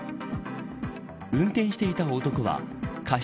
運転していた男は過失